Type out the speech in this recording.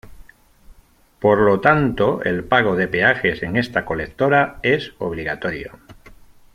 Por lo tanto, el pago de peajes en esta colectora es obligatorio.